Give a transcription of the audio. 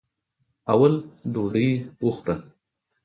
اول ډوډۍ وخوره.